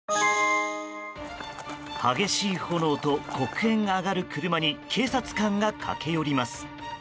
激しい炎と黒煙が上がる車に警察官が駆け寄ります。